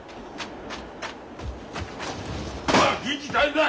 おい銀次大変だ！